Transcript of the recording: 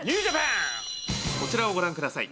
「こちらをご覧ください」